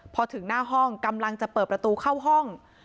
พอถึงหน้าห้องกำลังจะเปิดประตูเข้าห้อง